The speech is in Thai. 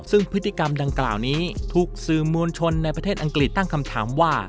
ซึ่งพฤติกรรมดังกล่าวนี้ถูกสื่อมวลชนในประเทศอังกฤษตั้งคำถามว่า